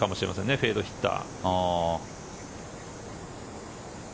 フェードヒッター。